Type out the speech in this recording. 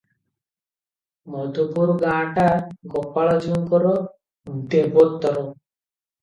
ମଧୁପୁର ଗାଁଟା ଗୋପାଳଜୀଉଙ୍କର ଦେବୋତ୍ତର ।